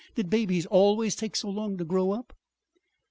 Did babies always take so long to grow up?